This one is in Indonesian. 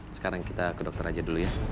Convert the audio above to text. sekarang kita ke dokter aja dulu ya